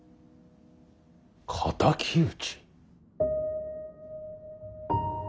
敵討ち。